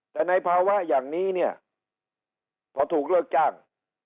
แต่ในภาวะอย่างนี้เนี่ยพอถูกเลิกจ้าง